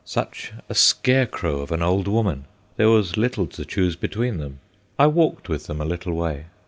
Such a scarecrow of an old woman! There was little to choose between them. I walked with them a little way.